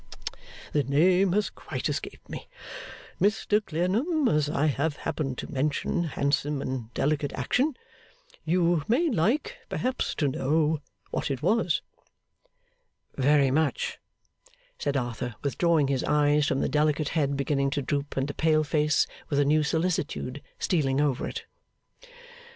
The name has quite escaped me. Mr Clennam, as I have happened to mention handsome and delicate action, you may like, perhaps, to know what it was.' 'Very much,' said Arthur, withdrawing his eyes from the delicate head beginning to droop and the pale face with a new solicitude stealing over it.